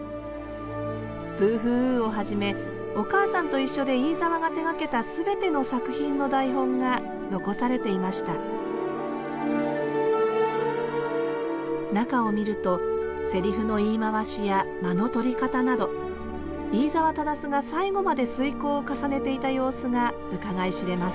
「ブーフーウー」をはじめ「おかあさんといっしょ」で飯沢が手がけた全ての作品の台本が残されていました中を見るとせりふの言い回しや間の取り方など飯沢匡が最後まで推敲を重ねていた様子がうかがい知れます